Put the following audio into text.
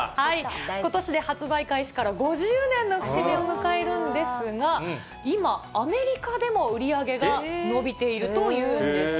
ことしで発売開始から５０年の節目を迎えるんですが、今、アメリカでも売り上げが伸びているというんです。